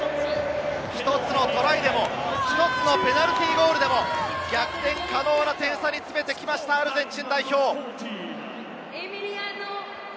１つのトライでも、１つのペナルティーゴールでも逆転可能な点差に詰めてきました、アルゼンチン代表。